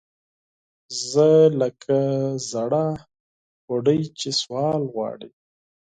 زه لکه زَړه بوډۍ چې سوال غواړي